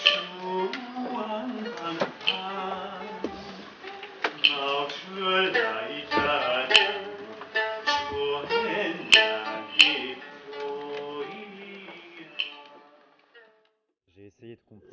cũng thật sự đáng nhận